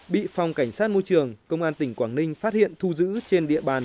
bị phòng cảnh sát môi trường công an tỉnh quảng ninh phát hiện thu giữ trên địa bàn